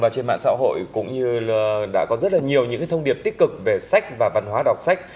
trên mạng xã hội cũng như đã có rất là nhiều những thông điệp tích cực về sách và văn hóa đọc sách